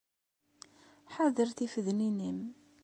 Ḥader tifednin-im.